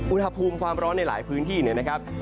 อุณหภูมิความร้อนในหลายพื้นที่เนี่ยนะครับ